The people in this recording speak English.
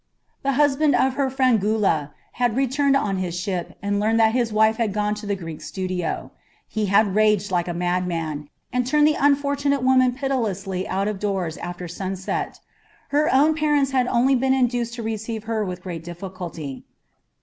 The husband of her friend Gula had returned on his ship and learned that his wife had gone to the Greek's studio. He had raged like a madman, and turned the unfortunate woman pitilessly out of doors after sunset. Her own parents had only been induced to receive her with great difficulty.